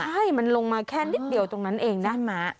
ใช่มันลงมาแค่นิดเดียวตรงนั้นเองด้านม้า